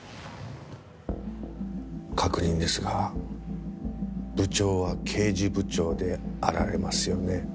確認ですが部長は刑事部長であられますよね？